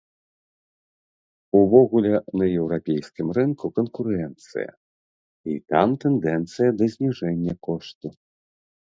Увогуле на еўрапейскім рынку канкурэнцыя і там тэндэнцыя да зніжэння кошту.